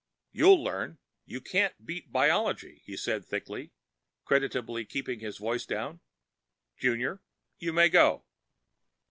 "You'll learn! You can't beat Biology," he said thickly, creditably keeping his voice down. "Junior, you may go!"